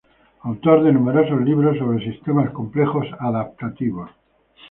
Autor de numerosos libros sobre Sistemas complejos adaptativos.